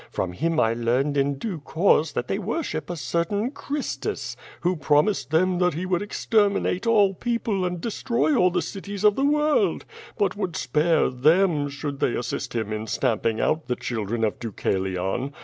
From him I learned in due course that they worship a certain Christus, who promised them that he would exterminate all people and destroy all the cities of the world, but would spare them should they assist him in stamping out the children of Deucalion.